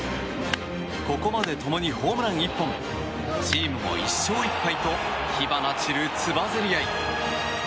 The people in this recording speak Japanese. ここまで共にホームラン１本チームも１勝１敗と火花散る、つばぜり合い。